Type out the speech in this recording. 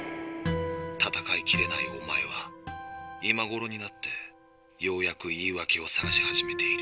闘いきれないおまえは今ごろになってようやく言い訳を探し始めている。